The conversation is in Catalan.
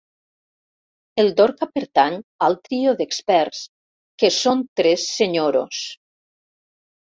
El Dorca pertany al trio d'experts, que són tres senyoros.